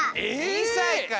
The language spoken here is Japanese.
２さいから！